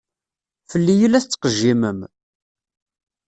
Fell-i i la tettqejjimem?